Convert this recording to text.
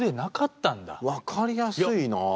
分かりやすいなぁ。